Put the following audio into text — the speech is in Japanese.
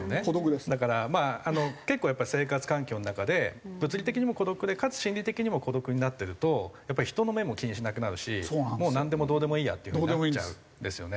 だからまあ結構やっぱり生活環境の中で物理的にも孤独でかつ心理的にも孤独になってるとやっぱり人の目も気にしなくなるしもうなんでもどうでもいいやっていう風になっちゃうんですよね。